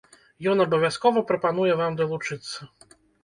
Ён абавязкова прапануе вам далучыцца.